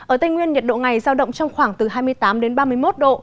ở tây nguyên nhiệt độ ngày giao động trong khoảng từ hai mươi tám đến ba mươi một độ